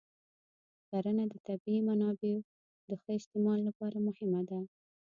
کرنه د طبیعي منابعو د ښه استعمال لپاره مهمه ده.